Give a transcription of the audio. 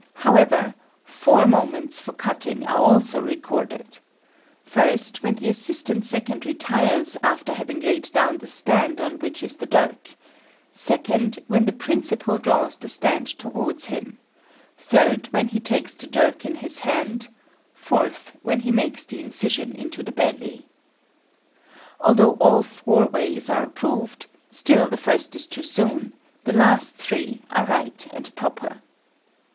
However, four moments for cutting are also recorded: first, when the assistant second retires after having laid down the stand on which is the dirk; second, when the principal draws the stand towards him; third, when he takes the dirk in his hand; fourth, when he makes the incision into the belly. Although all four ways are approved, still the first is too soon; the last three are right and proper.